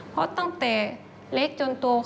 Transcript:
เพราะตั้งแต่เล็กจนโต